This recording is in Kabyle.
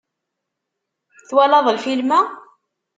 Twalaḍ lfilm-a?